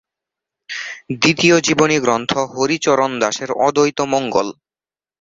দ্বিতীয় জীবনীগ্রন্থ হরিচরণ দাসের অদ্বৈতমঙ্গল।